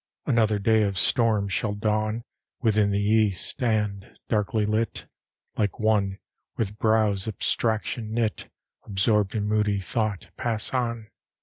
Another day of storm shall dawn Within the east; and, darkly lit, Like one, with brows abstraction knit, Absorbed in moody thought, pass on.